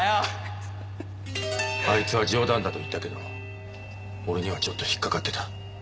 あいつは冗談だと言ったけど俺にはちょっと引っかかってた。